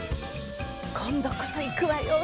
今度こそ行くわよ